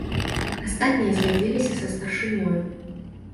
Астатнія згадзіліся са старшынёю.